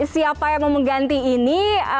siapa yang mau mengganti ini